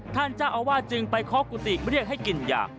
ท่านเจ้าอาว่าจึงไปคอล์กูติกเรียกให้กินยาก